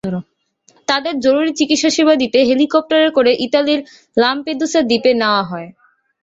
তাদের জরুরি চিকিৎসাসেবা দিতে হেলিকপ্টারে করে ইতালির লামপেদুসা দ্বীপে নেওয়া হয়।